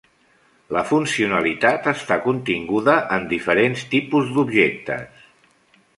La funcionalitat està continguda en diferents tipus d'objectes.